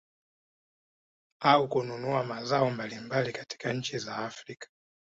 Au kununua mazao mbalimbali katika nchi za Afrika